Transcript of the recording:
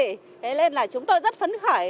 thế nên là chúng tôi rất phấn khởi